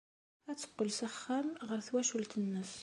Ad teqqel s axxam, ɣer twacult-nnes.